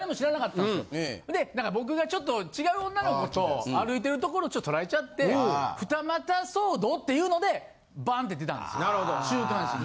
ほんで僕がちょっと違う女の子と歩いてるところをちょっと撮られちゃって二股騒動っていうのでバンって出たんですよ週刊誌に。